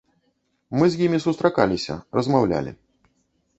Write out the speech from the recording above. Мы з імі сустракаліся, размаўлялі.